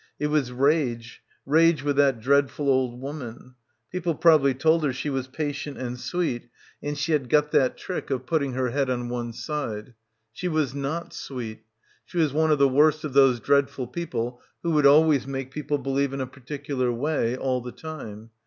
It was rage; rage with that dreadful old woman. People probably told her she was patient and sweet, and she had got that trick putting her — 252 — BACKWATER head on one side. She was not sweet. She was one of the worst of those dreadful people who would always make people believe in a particular way, all the time.